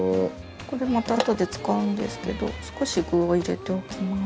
これまたあとで使うんですけど少し具を入れておきます。